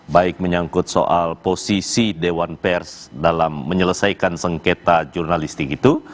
baik menyangkut soal posisi dewan pers dalam menyelesaikan sengketa jurnalistik itu